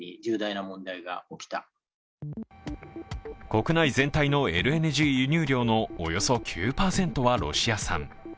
国内全体のＬＮＧ輸入量のおよそ９％はロシア産。